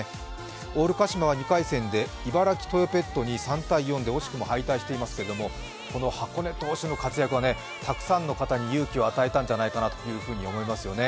オールカシマは２回戦で茨城トヨペットに３−４で惜しくも敗退していますが箱根投手の活躍はたくさんの人に勇気を与えたと思いますね。